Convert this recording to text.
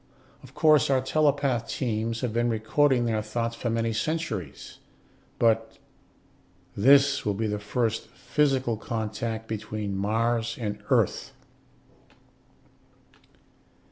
Of course our telepath teams have been reading their thoughts for many centuries, but this will be the first physical contact between Mars and Earth."